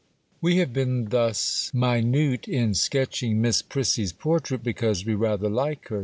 We have been thus minute in sketching Miss Prissy's portrait, because we rather like her.